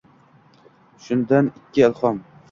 Shundan ikki ilhom